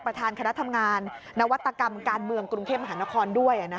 ประธานคณะทำงานนวัตกรรมการเมืองกรุงเทพมหานครด้วย